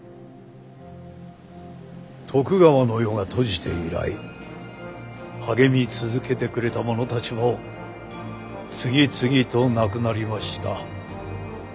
徳川の世が閉じて以来励み続けてくれた者たちも次々と亡くなりました。